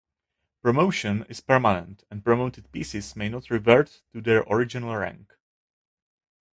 Promotion is permanent and promoted pieces may not revert to their original rank.